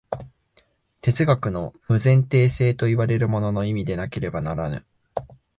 哲学の無前提性といわれるものの意味でなければならぬ。